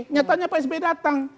nyatanya pak sby datang